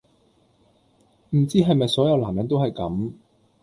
唔知係咪所有男人都係咁